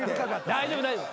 大丈夫大丈夫。